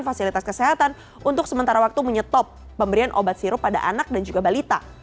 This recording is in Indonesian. fasilitas kesehatan untuk sementara waktu menyetop pemberian obat sirup pada anak dan juga balita